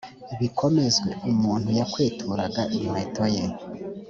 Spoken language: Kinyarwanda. bikomezwe umuntu yakweturaga inkweto ye